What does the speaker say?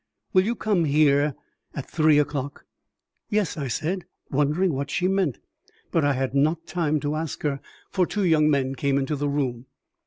"Will you come here at three o'clock?" "Yes," I said, wondering what she meant; but I had not time to ask her, for two young men came into the room.